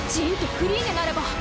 クリーネなれば！